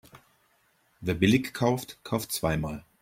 Wer billig kauft, kauft zweimal.